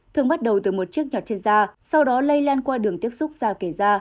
thường bắt đầu từ một chiếc nhọt trên da sau đó lây lan qua đường tiếp xúc ra kể da